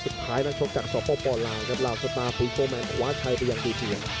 สุดท้ายต้องชกกับชอปโปปอล์ลาและลาวสตาร์ฟรีโกแมนคว้าชัยเปยังที่เพียง